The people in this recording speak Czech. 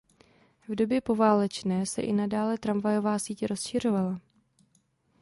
V době poválečné se i nadále tramvajová síť rozšiřovala.